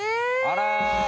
あら。